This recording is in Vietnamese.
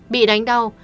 bị đánh đau